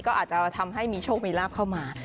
ก็อาจจะทำให้มีโชคมีลาบเข้ามา